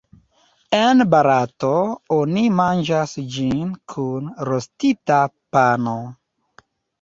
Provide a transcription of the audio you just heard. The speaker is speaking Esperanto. En Barato, oni manĝas ĝin kun rostita pano.